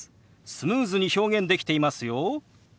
スムーズに表現できていますよ。